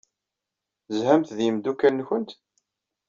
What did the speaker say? Tezhamt ed yimeddukal-nwent?